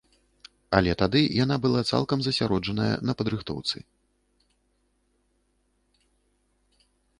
Але тады яна была цалкам засяроджаная на падрыхтоўцы.